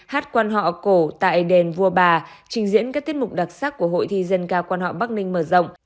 hát quan họ cổ tại đền vua bà trình diễn các tiết mục đặc sắc của hội thi dân ca quan họ bắc ninh mở rộng